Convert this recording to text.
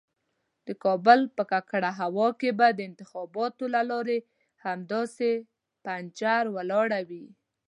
د کابل په ککړه هوا کې به د انتخاباتو لارۍ همداسې پنجر ولاړه وي.